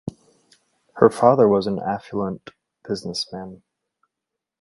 Her father was an affluent businessman.